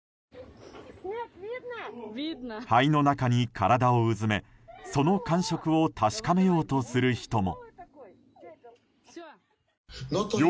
灰の中に体をうずめ、その感触を確かめようとする人も。